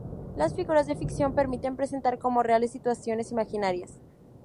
Las figuras de ficción permiten presentar como reales situaciones imaginarias.